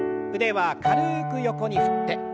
腕は軽く横に振って。